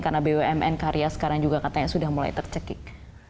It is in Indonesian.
karena bumn karya sekarang juga katanya sudah mulai tercekik